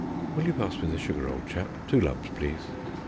. (Will you pass me the sugar, old chap? Two lumps, please).